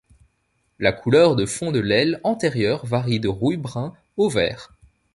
La couleur de fond de l'aile antérieure varie de rouille brun au vert.